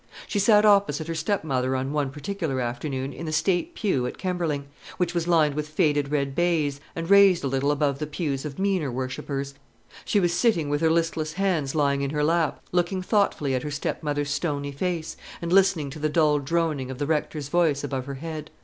She sat opposite her stepmother on one particular afternoon in the state pew at Kemberling, which was lined with faded red baize, and raised a little above the pews of meaner worshippers; she was sitting with her listless hands lying in her lap, looking thoughtfully at her stepmother's stony face, and listening to the dull droning of the rector's voice above her head.